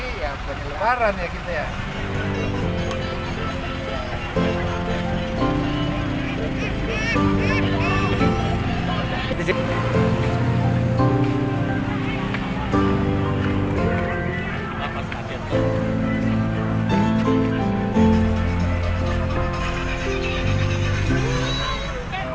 ini ya penyebaran ya kita ya